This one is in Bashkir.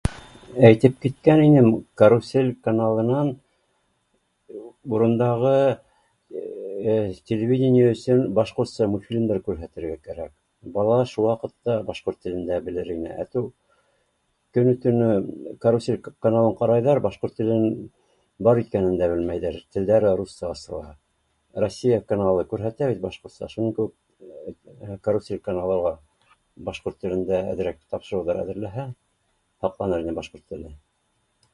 Әйтеп киткән инем карусель каналының урындағы телевидение өсөн башҡортса мультфильмдар күрһәтергә кәрәк, бала шул ваҡытта башҡорт телен дә белер ине, әтеү көнө-төнө карусель каналын ҡарайҙар башҡорт телен бар икәнен дә белмәйҙәр, телдәре русса асыла, россия каналы күрһәтә бит башҡортса, шуның кеүек карусель каналы ла башҡорт телендә әҙерәк тапшырыуҙар әҙерләһә һаҡланыр ине башҡорт теле